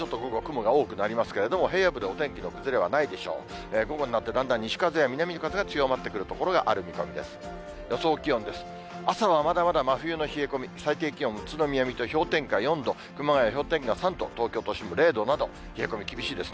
午後になって、だんだん西風や南風が強まってくる所がある見込みです。